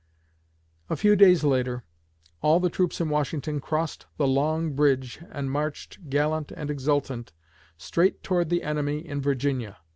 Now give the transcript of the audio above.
A few days later, all the troops in Washington crossed the Long Bridge and marched, gallant and exultant, straight toward the enemy in Virginia.